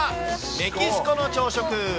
メキシコの朝食。